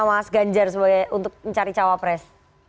mas ganjar untuk mencari cawa pres